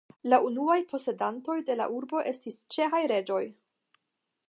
La unuaj posedantoj de la urbo estis ĉeĥaj reĝoj.